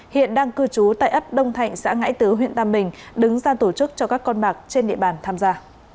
hiện đang cư chú tại ấp đông thạnh xã ngã tứ huyện tâm bình đứng ra tổ chức cho các con bạc trên địa bàn tham gia